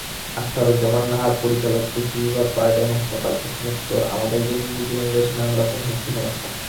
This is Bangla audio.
আখতারুন নাহারপরিচালক, পুষ্টি বিভাগ, বারডেম হাসপাতালপ্রশ্নোত্তরআমাদের দৈনন্দিন জীবনে রয়েছে নানা রকম স্বাস্থ্যসমস্যা।